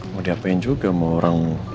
mau diapain juga mau orang